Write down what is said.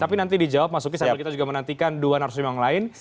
tapi nanti dijawab mas uki sambil kita juga menantikan dua narasum yang lain